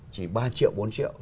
chỉ ba triệu bốn triệu